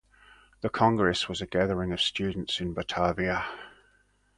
The congress was a gathering of students in Batavia.